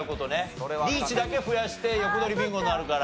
リーチだけ増やして横取りビンゴになるから。